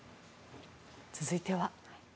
続いては。